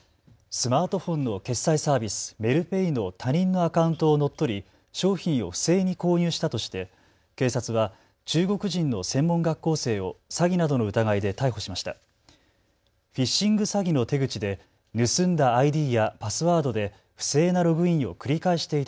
スマートフォンの決済サービス、メルペイの他人のアカウントを乗っ取り商品を不正に購入したとして警察は中国人の専門学校生を詐欺などの疑いで逮捕しました。